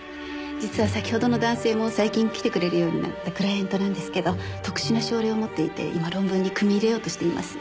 実は先ほどの男性も最近来てくれるようになったクライエントなんですけど特殊な症例を持っていて今論文に組み入れようとしています。